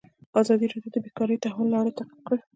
ازادي راډیو د بیکاري د تحول لړۍ تعقیب کړې.